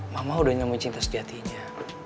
mama udah nyambung cinta sejatinya